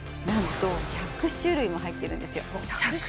なんと１００種類も入ってるんですよ